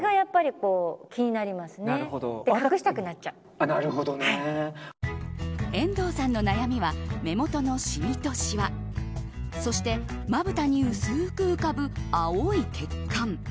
では、その悩みとは。遠藤さんの悩みは目元のシミとしわそして、まぶたに薄く浮かぶ青い血管。